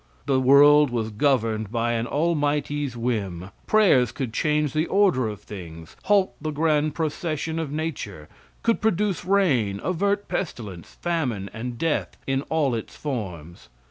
The world was governed by an Almighty's whim; prayers could change the order of things, halt the grand procession of nature; could produce rain, avert pestilence, famine, and death in all its forms.